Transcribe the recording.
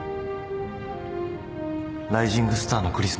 ライジングスターのクリスマス公演